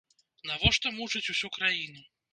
Навошта мучыць усю краіну?